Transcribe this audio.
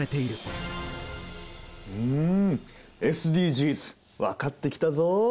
んＳＤＧｓ分かってきたぞ！